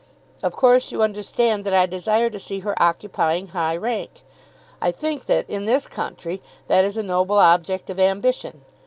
Of course you understand that I desire to see her occupying high rank. I think that, in this country, that is a noble object of ambition.